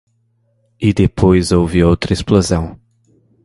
E depois houve outra explosão...